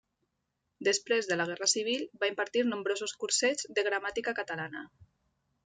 Després de la guerra civil va impartir nombrosos cursets de gramàtica catalana.